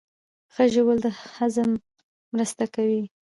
ښه ژوول د هضم مرسته کوي